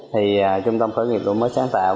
thì trung tâm khởi nghiệp đổi mới sáng tạo